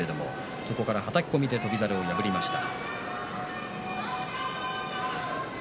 そこから、はたき込みで翔猿を破りました。